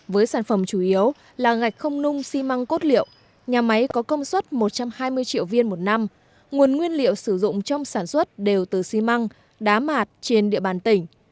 với sản phẩm chủ yếu là gạch không nung xi măng cốt liệu nhà máy có công suất một trăm hai mươi triệu viên một năm nguồn nguyên liệu sử dụng trong sản xuất đều từ xi măng đá mạt trên địa bàn tỉnh